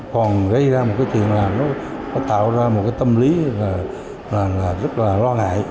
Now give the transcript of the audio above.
còn gây ra một cái chuyện là nó tạo ra một cái tâm lý là rất là lo ngại